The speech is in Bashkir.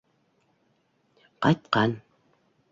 Ҡайтҡан.